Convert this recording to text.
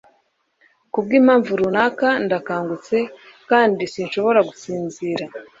kubwimpamvu runaka, ndakangutse kandi sinshobora gusinzira